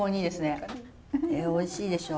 おいしいでしょ？